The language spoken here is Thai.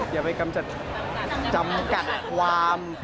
อย่าไปจะจำกัดความ